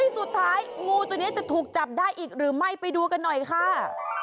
สุดท้ายงูตัวนี้จะถูกจับได้อีกหรือไม่ไปดูกันหน่อยค่ะ